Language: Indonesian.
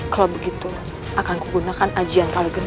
kalau begitu akan kugunakan ajian kaligram